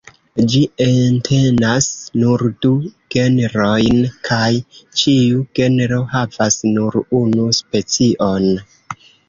Ĝi entenas nur du genrojn, kaj ĉiu genro havas nur unu specion.